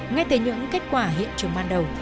ngay từ những kết quả hiện trường ban đầu